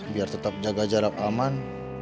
biar tetap jaga jarak aman